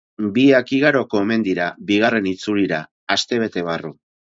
Biak igaroko omen dira bigarren itzulira, astebete barru.